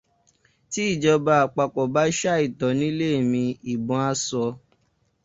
Tí ìjọba àpapọ̀ bá ṣ'àìtọ́ nílé mi ìbọn á sọ.